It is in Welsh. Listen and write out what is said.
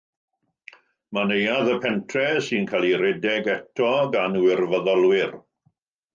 Mae Neuadd y Pentref, sy'n cael ei rhedeg eto gan wirfoddolwyr.